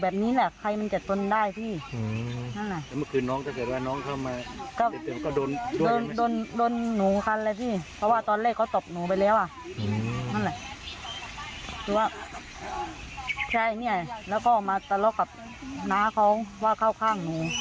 เห็นแล้วแหละตอนตบเรานี่พออะไรเขาถึงมาตบเรา